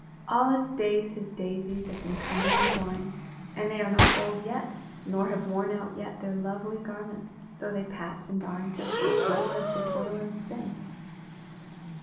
All its days his daisies have been coming and going, and they are not old yet, nor have worn out yet their lovely garments, though they patch and darn just as little as they toil and spin.